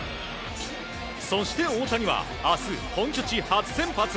そして大谷は明日、本拠地初先発。